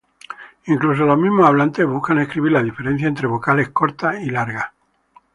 Incluso los mismos hablantes buscan escribir la diferencia entre vocales cortas y largas.